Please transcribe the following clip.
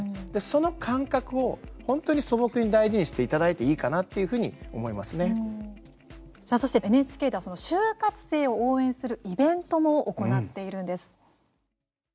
その感覚を本当に素朴に大事にしていただいていいかなってそして、ＮＨＫでは就活生を応援するイベントも行っているんです。